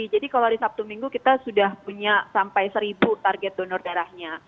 jadi kalau di sabtu minggu kita sudah punya sampai seribu target donor darahnya